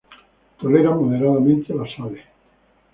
Tolera moderadamente las sales.